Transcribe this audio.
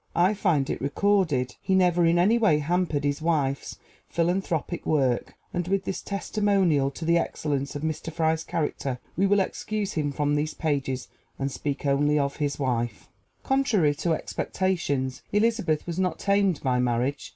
I find it recorded, "He never in any way hampered his wife's philanthropic work," and with this testimonial to the excellence of Mr. Fry's character we will excuse him from these pages and speak only of his wife. Contrary to expectations, Elizabeth was not tamed by marriage.